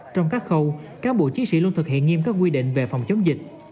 trong các khâu các bộ chí sĩ luôn thực hiện nghiêm các quy định về phòng chống dịch